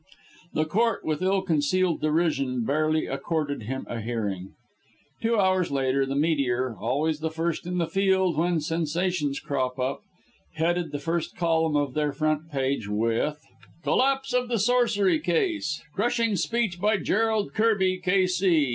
The Court with ill concealed derision barely accorded him a hearing. Two hours later the Meteor, always the first in the field when sensations crop up, headed the first column of their front page with COLLAPSE OF THE SORCERY CASE CRUSHING SPEECH BY GERALD KIRBY, K.C.